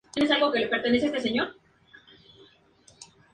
Durante su estancia en Guinea realiza muchos trabajos administrativos.